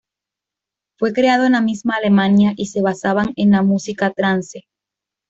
Fue creado en la misma Alemania y se basaban en la música trance.